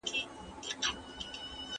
ده وویل چي پښتو زما روح او روان دی.